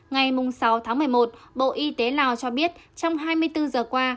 ngày sáu tháng một mươi một bộ y tế lào cho biết trong hai mươi bốn giờ qua